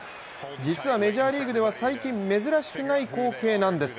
実はメジャーリーグでは最近、珍しくない光景なんです。